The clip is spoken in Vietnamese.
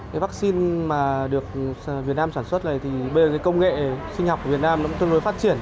cái vaccine mà được việt nam sản xuất này bây giờ công nghệ sinh học của việt nam cũng tương đối phát triển